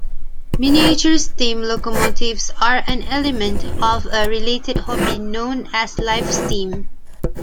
Miniature steam locomotives are an element of a related hobby known as "live steam".